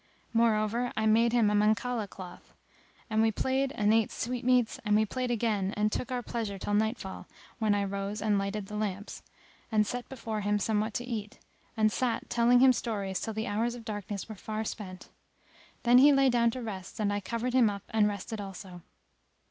Moreover I made him a Mankalah cloth;[FN#270] and we played and ate sweetmeats and we played again and took our pleasure till nightfall, when I rose and lighted the lamps, and set before him somewhat to eat, and sat telling him stories till the hours of darkness were far spent. Then he lay down to rest and I covered him up and rested also.